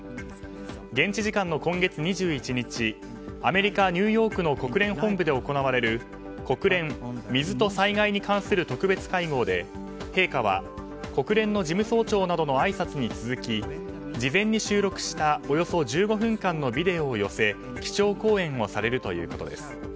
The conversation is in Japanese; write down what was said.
現地時間の今月２１日アメリカ・ニューヨークの国連本部で行われる国連水と災害に関する特別会合で陛下は、国連の事務総長などのあいさつに続き事前に収録したおよそ１５分間のビデオを寄せ基調講演をされるということです。